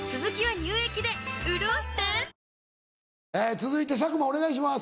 続いて佐久間お願いします。